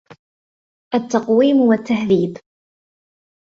التَّقْوِيمِ وَالتَّهْذِيبِ